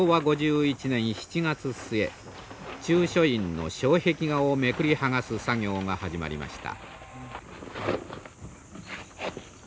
中書院の障壁画をめくり剥がす作業が始まりました。